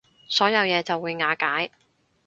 所有嘢就會瓦解